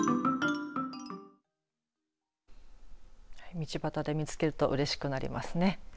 道端で見つけるとうれしくなりますね。